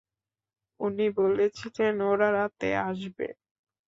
উনি বলেছিলেন, ওরা রাতে আসবে!